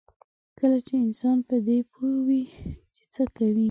کله چې انسان په دې پوه وي چې څه کوي.